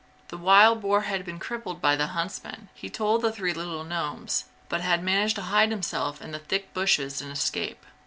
The wild boar had been crippled by the huntsmen, he told the three little gnomes, but had managed to hide himself in the thick bushes and escape.